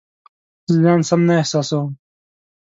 زه ځان سم نه احساسوم